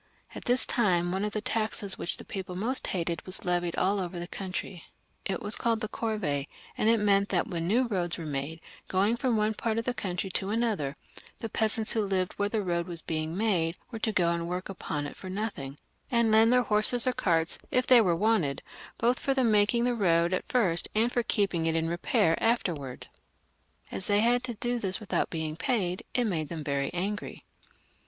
At this time one of the taxes which the people most hated was put on all over the country; it was called the corvee, and it meant that when new roads were made, going from one part of the country to another, the peasants who lived where the road was being made were to go and work upon it for nothing, and lend their horses or carts, if they were wanted, both for making the road at first and for keeping it in repair afterwards. As they had to do this without being paid, it made them very angry.